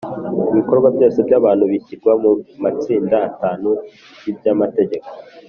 ibikorwa byose by’abantu bishyirwa mu matsinda atanu y’iby’amategeko